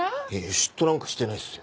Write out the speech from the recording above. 嫉妬なんかしてないっすよ。